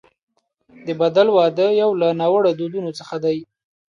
د بدل واده یو له ناوړه دودونو څخه دی.